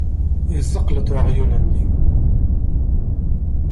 Yezzeqleṭ uɣyul-nni.